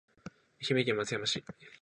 愛媛県松山市